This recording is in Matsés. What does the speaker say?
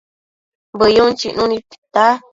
Bëyun chicnu nid tita